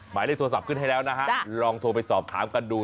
หมายเลขโทรศัพท์ขึ้นให้แล้วนะฮะลองโทรไปสอบถามกันดู